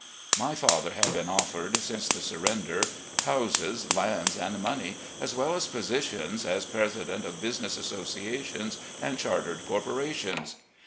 My fath^ had been offered, since the surrender, houses, lands, and money, as well as positions as president of business associations and chartered corporations.